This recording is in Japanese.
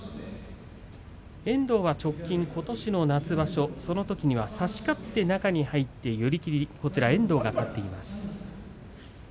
遠藤は直近ことしの夏場所そのときには差し勝って中に入って寄り切り遠藤が勝っています。